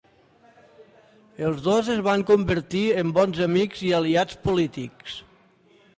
Els dos es van convertir en bons amics i aliats polítics.